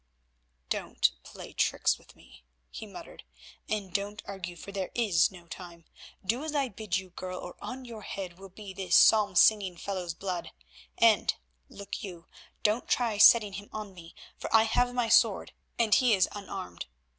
"Don't play tricks with me," he muttered, "and don't argue, for there is no time. Do as I bid you, girl, or on your head will be this psalm singing fellow's blood. And, look you, don't try setting him on me, for I have my sword and he is unarmed.